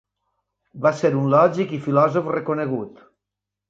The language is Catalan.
Va ser un lògic i filòsof reconegut.